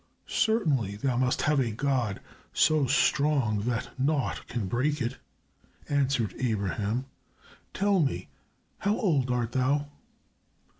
"Certainly thou must have a god so strong that naught can break it," answered Abraham. "Tell me, how old art thou?"